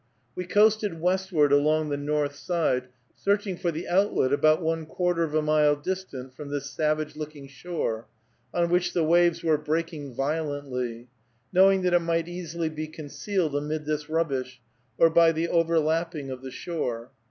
We coasted westward along the north side, searching for the outlet, about one quarter of a mile distant from this savage looking shore, on which the waves were breaking violently, knowing that it might easily be concealed amid this rubbish, or by the overlapping of the shore.